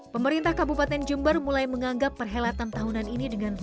pemerintah kabupaten jember mulai menganggap perhelatan tahunan ini dengan